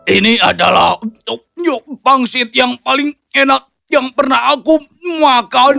ini adalah bentuk pangsit yang paling enak yang pernah aku makan